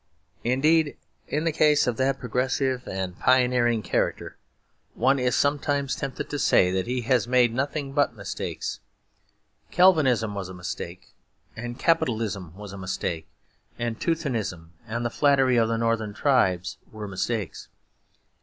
Indeed, in the case of that progressive and pioneering character, one is sometimes tempted to say that he has made nothing but mistakes. Calvinism was a mistake, and Capitalism was a mistake, and Teutonism and the flattery of the Northern tribes were mistakes.